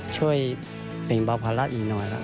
ช่วยเป็นบางภารกิจรัฐอีกหน่อย